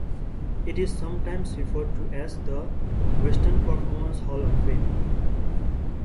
It is sometimes referred to as the "Western Performers Hall of Fame".